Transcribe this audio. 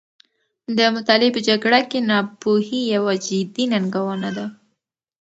د مطالعې په جګړه کې، ناپوهي یوه جدي ننګونه ده.